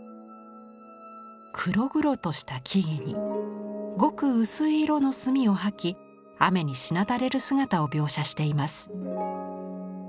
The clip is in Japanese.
黒々とした木々にごく薄い色の墨を刷き雨にしなだれる姿を描写しています。